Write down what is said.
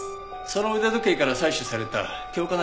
その腕時計から採取された強化